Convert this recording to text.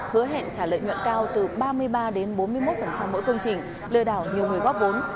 hứa hẹn trả lợi nhuận cao từ ba mươi ba đến bốn mươi một mỗi công trình lừa đảo nhiều người góp vốn